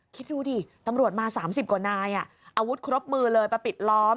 คิดดูดิตำรวจมา๓๐กว่านายอาวุธครบมือเลยมาปิดล้อม